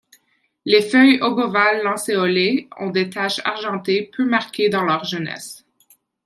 Les feuilles obovales-lancéolées ont des taches argentées peu marquées dans leur jeunesse.